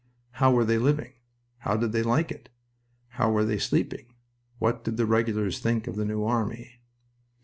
How were they living? How did they like it? How were they sleeping? What did the Regulars think of the New Army?